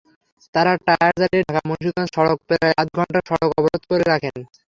তাঁরা টায়ার জ্বালিয়ে ঢাকা-মুন্সিগঞ্জ সড়ক প্রায় আধঘণ্টা সড়ক অবরোধ করে রাখেন।